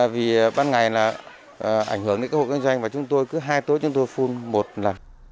vì ban ngày là ảnh hưởng đến các hộ kinh doanh và chúng tôi cứ hai tối chúng tôi phun một lần